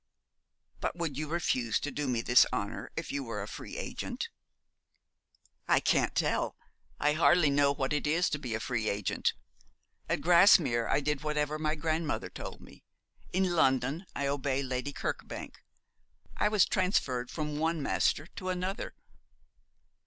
'But would you refuse to do me this honour if you were a free agent?' 'I can't tell. I hardly know what it is to be a free agent. At Grasmere I did whatever my grandmother told me; in London I obey Lady Kirkbank. I was transferred from one master to another.